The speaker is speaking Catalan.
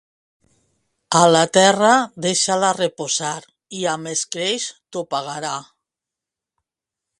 A la terra, deixa-la reposar i amb escreix t'ho pagarà.